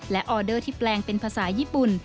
และออเดอร์ที่แปลงเป็นภาษาญี่ปุ่น